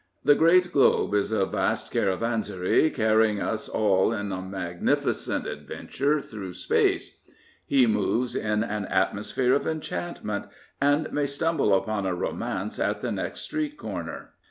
The great globe is a vast caravanserai carry ing us all on a magnificent adventure through space. He moves in an atmosphere of enchantment, and may stumble upon a romance at the next street corner.